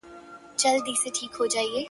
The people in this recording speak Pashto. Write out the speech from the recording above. په جنگ کي اسان نه چاغېږي.